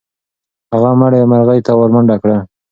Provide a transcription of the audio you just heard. هغه مړې مرغۍ ته ورمنډه کړه.